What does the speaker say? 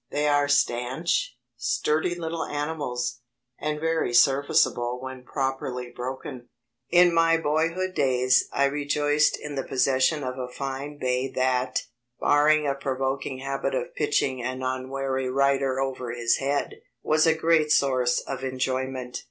They are stanch, sturdy little animals, and very serviceable when properly broken. In my boyhood days I rejoiced in the possession of a fine bay that, barring a provoking habit of pitching an unwary rider over his head, was a great source of enjoyment.